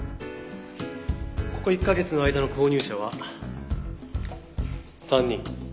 ここ１カ月の間の購入者は３人。